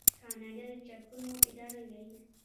کاناډا د ټاکنو اداره لري.